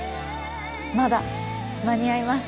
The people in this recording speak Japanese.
まだ間に合います。